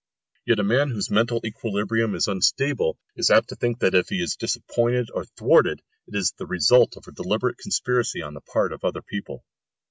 Yet a man whose mental equilibrium is unstable is apt to think that if he is disappointed or thwarted it is the result of a deliberate conspiracy on the part of other people.